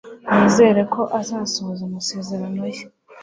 Nizeraga ko azasohoza amasezerano ye.